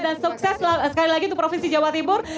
dan sukses sekali lagi untuk provinsi jawa timur